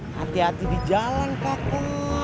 hati hati di jalan kaki